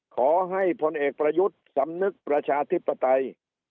ขอให้พลเอกประยุทธ์สำนึกประชาธิปไตย